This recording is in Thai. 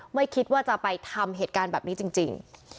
ไม่คิดว่าจะไปทำเหตุการณ์แบบนี้จริง